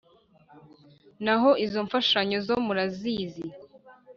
N'aho izo mfashanyo zo murazizi